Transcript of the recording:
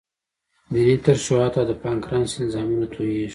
د ینې ترشحات او د پانکراس انزایمونه تویېږي.